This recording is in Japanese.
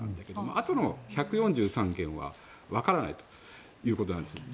あとの１４３件はわからないということなんですね。